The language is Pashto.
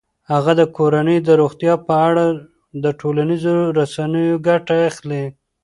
هغه د کورنۍ د روغتیا په اړه د ټولنیزو رسنیو ګټه اخلي.